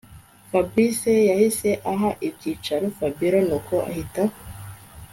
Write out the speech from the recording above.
Fabric yahise aha ibyicaro Fabiora nuko ahita